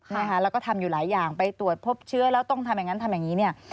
แล้วก็ทำอยู่หลายอย่างไปตรวจพบเชื้อแล้วต้องทำอย่างนั้นทำอย่างนี้เนี่ย